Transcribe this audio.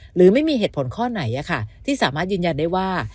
หรือไม่มีเหตุผลข้อไหนที่สามารถยืนยันได้ว่า